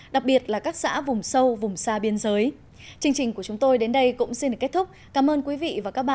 đặc biệt là các xã vùng sâu vùng xa biên giới